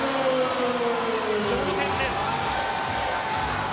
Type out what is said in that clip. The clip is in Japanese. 同点です。